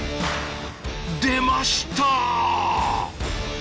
でました！